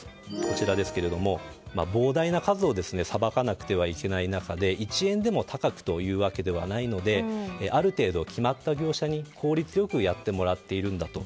膨大な数をさばかなくてはいけない中で１円でも高くというわけではないのである程度、決まった業者に効率よくやってもらっているんだと。